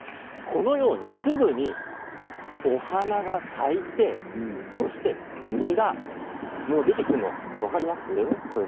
このようにすぐにお花が咲いてそして実が出てくるのが分かりますか？